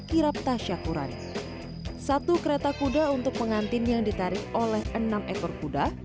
kirapta syakurari satu kereta kuda untuk pengantin yang ditarik oleh enam ekor kuda